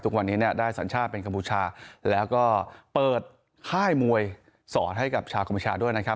ทุกวันนี้เนี่ยได้สัญชาติเป็นกัมพูชาแล้วก็เปิดค่ายมวยสอนให้กับชาวกัมพูชาด้วยนะครับ